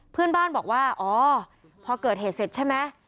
เพื่อนบ้านบอกว่าอ๋อพอเกิดเหตุเสร็จใช่ไหม